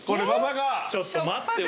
ちょっと待ってよ